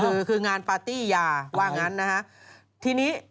เคยคืองานปาร์ตี้ชายาว่างั้นนะคะ